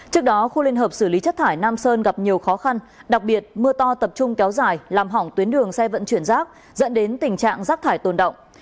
trước đó khu liên hợp xử lý chất thải nam sơn gặp nhiều khó khăn đặc biệt mưa to tập trung kéo dài làm hỏng tuyến đường xe vận chuyển rác dẫn đến tình trạng rác thải tồn động